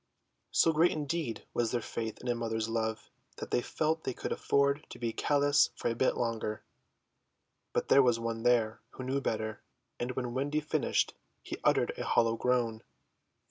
So great indeed was their faith in a mother's love that they felt they could afford to be callous for a bit longer. But there was one there who knew better, and when Wendy finished he uttered a hollow groan.